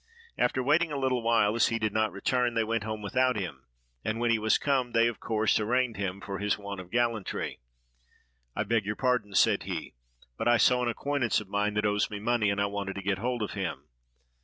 After waiting a little while, as he did not return, they went home without him; and, when he was come, they of course arraigned him for his want of gallantry. "I beg your pardon," said he; "but I saw an acquaintance of mine that owes me money, and I wanted to get hold of him."